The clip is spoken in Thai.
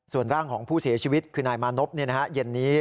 ส่วนร่างของผู้เสียชีวิตคืนนายมานต์โน๊ป